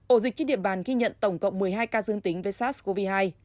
ổ dịch trên địa bàn ghi nhận tổng cộng một mươi hai ca dương tính với sars cov hai